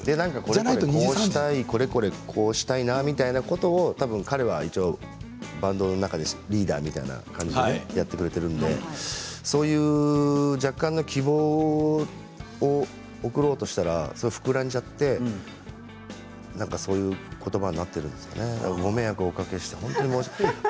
酔ってるのかな、これこれ、こうしたいみたいなことを彼は一応バンド中のリーダーをやってくれているのでそういう若干の希望を送ろうとしたら膨らんじゃってそういうことばになっているんですかねご迷惑をおかけして本当に申し訳ない。